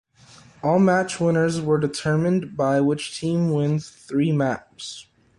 All match winners were determined by which team wins three maps.